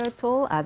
dia di sekolah